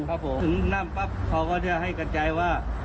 ถึงนั่นปั๊บเขาก็จะให้กระจายว่า